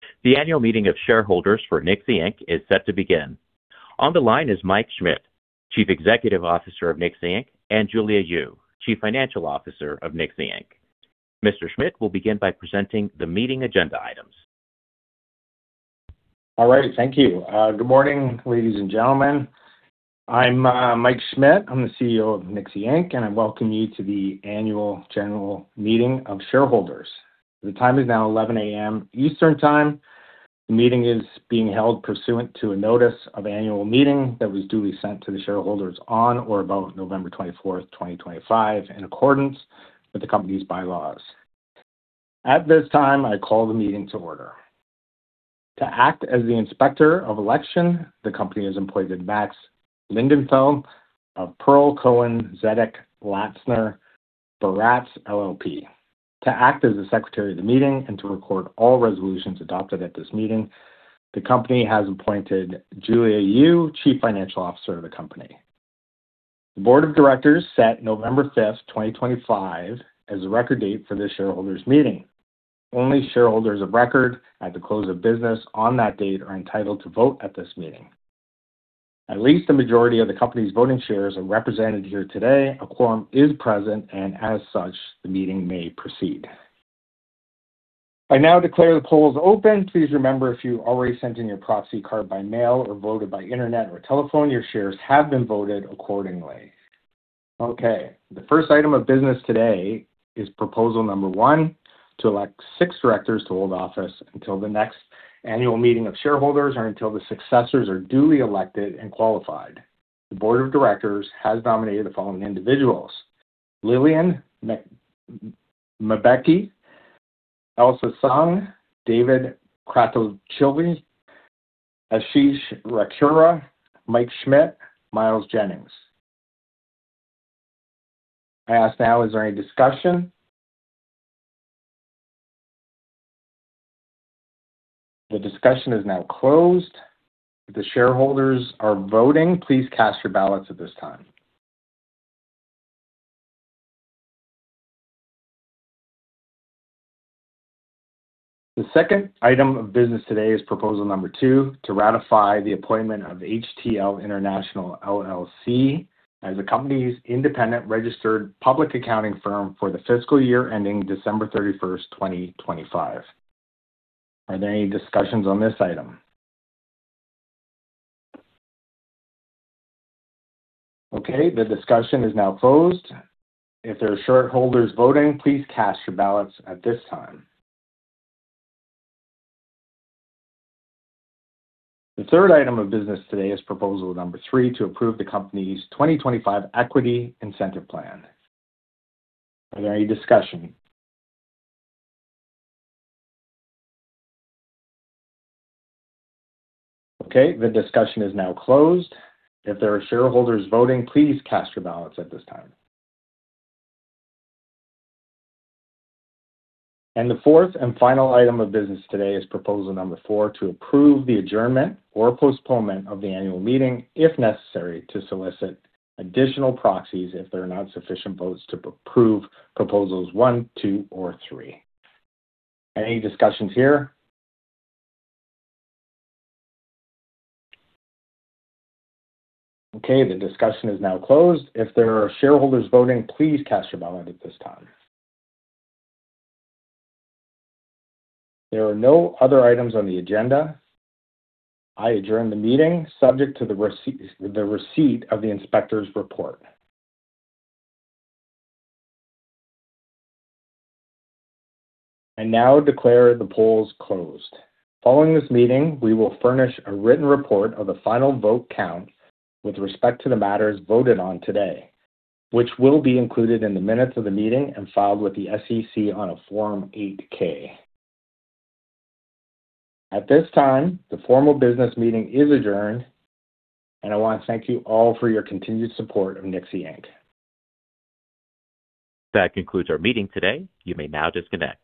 The annual meeting of shareholders for Nixxy, Inc. is set to begin. On the line is Mike Schmidt, Chief Executive Officer of Nixxy, Inc., and Julia Yu, Chief Financial Officer of Nixxy, Inc. Mr. Schmidt will begin by presenting the meeting agenda items. All right. Thank you. Good morning, ladies and gentlemen. I'm Mike Schmidt. I'm the CEO of Nixxy, Inc., and I welcome you to the annual general meeting of shareholders. The time is now 11:00 A.M. Eastern Time. The meeting is being held pursuant to a notice of annual meeting that was duly sent to the shareholders on or about November 24, 2025, in accordance with the company's bylaws. At this time, I call the meeting to order. To act as the inspector of election, the company is employed at Max Lindenfeld of Pearl Cohen Zedek Latzer Barats LLP. To act as the secretary of the meeting and to record all resolutions adopted at this meeting, the company has appointed Julia Yu, Chief Financial Officer of the company. The board of directors set November 5, 2025, as the record date for this shareholders' meeting. Only shareholders of record at the close of business on that date are entitled to vote at this meeting. At least the majority of the company's voting shares are represented here today. A quorum is present, and as such, the meeting may proceed. I now declare the polls open. Please remember, if you already sent in your proxy card by mail or voted by internet or telephone, your shares have been voted accordingly. Okay. The first item of business today is proposal number one to elect six directors to hold office until the next annual meeting of shareholders or until the successors are duly elected and qualified. The board of directors has nominated the following individuals: Lillian Mbeki, Elsa Sohn, David Kratochvil, Evan Sohn, Mike Schmidt, Miles Jennings. I ask now, is there any discussion? The discussion is now closed. The shareholders are voting. Please cast your ballots at this time. The second item of business today is proposal number two to ratify the appointment of HTL International LLC as the company's independent registered public accounting firm for the fiscal year ending December 31, 2025. Are there any discussions on this item? Okay. The discussion is now closed. If there are shareholders voting, please cast your ballots at this time. The third item of business today is proposal number three to approve the company's 2025 Equity Incentive Plan. Are there any discussions? Okay. The discussion is now closed. If there are shareholders voting, please cast your ballots at this time. And the fourth and final item of business today is proposal number four to approve the adjournment or postponement of the annual meeting if necessary to solicit additional proxies if there are not sufficient votes to approve proposals one, two, or three. Any discussions here? Okay. The discussion is now closed. If there are shareholders voting, please cast your ballot at this time. There are no other items on the agenda. I adjourn the meeting subject to the receipt of the inspector's report. I now declare the polls closed. Following this meeting, we will furnish a written report of the final vote count with respect to the matters voted on today, which will be included in the minutes of the meeting and filed with the SEC on a Form 8-K. At this time, the formal business meeting is adjourned, and I want to thank you all for your continued support of Nixxy, Inc. That concludes our meeting today. You may now disconnect.